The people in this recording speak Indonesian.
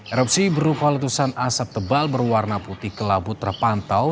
erupsi berupa letusan asap tebal berwarna putih kelabu terpantau